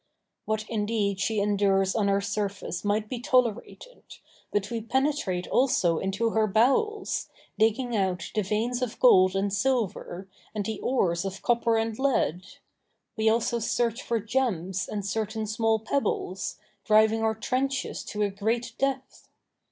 What indeed she endures on her surface might be tolerated, but we penetrate also into her bowels, digging out the veins of gold and silver, and the ores of copper and lead; we also search for gems and certain small pebbles, driving our trenches to a great depth.